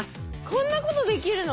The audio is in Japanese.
こんなことできるの？